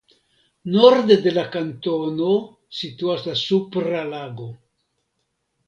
Norde de la kantono situas la Supra Lago.